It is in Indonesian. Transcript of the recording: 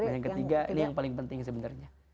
yang ketiga ini yang paling penting sebenarnya